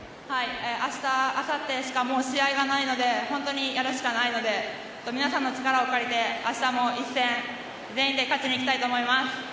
明日、あさってしかもう試合がないので本当にやるしかないので皆さんの力を借りて明日も一戦全員で勝ちに行きたいと思います。